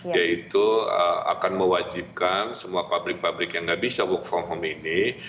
yaitu akan mewajibkan semua pabrik pabrik yang nggak bisa work from home ini